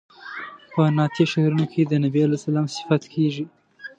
په نعتیه شعرونو کې د بني علیه السلام صفت کیږي.